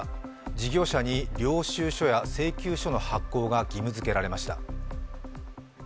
事業者に領収書や請求書の発行が義務づけられました。